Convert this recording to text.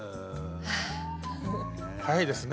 早いですね。